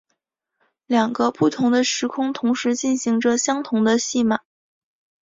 两个不同的时空同时进行着相同的戏码。